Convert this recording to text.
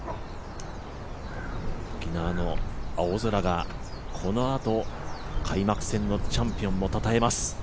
沖縄の青空がこのあと開幕戦のチャンピオンをたたえます。